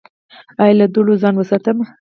ایا له دوړو ځان وساتم؟